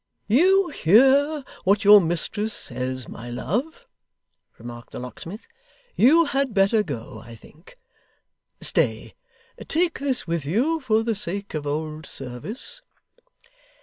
'You hear what your mistress says, my love,' remarked the locksmith. 'You had better go, I think. Stay; take this with you, for the sake of old service.